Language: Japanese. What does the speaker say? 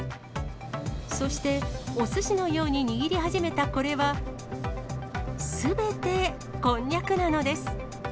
そして、おすしのように握り始めたこれは、すべてこんにゃくなのです。